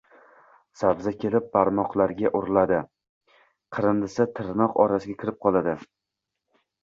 Sabzi kelib barmoqlarga uriladi, qirindisi tirnoq orasiga kirib qoladi.